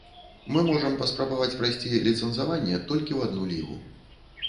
Мы можам паспрабаваць прайсці ліцэнзаванне толькі ў адну лігу.